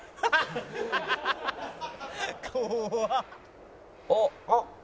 「あっ！